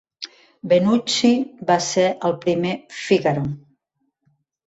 Benucci va ser el primer Fígaro.